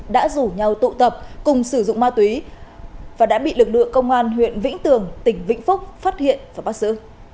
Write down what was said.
đã rủ nhau tụ tập cùng sử dụng ma túy và đã bị lực lượng công an huyện vĩnh tường tỉnh vĩnh phúc phát hiện và bắt giữ